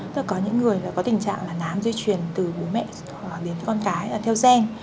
tức là có những người có tình trạng là nám di chuyển từ bố mẹ đến con cái là theo gen